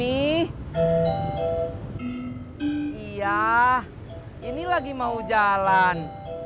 iya ini lagi mau jalan